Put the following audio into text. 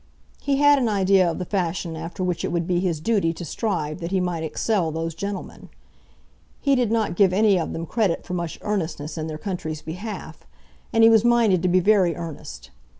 He had an idea of the fashion after which it would be his duty to strive that he might excel those gentlemen. He did not give any of them credit for much earnestness in their country's behalf, and he was minded to be very earnest.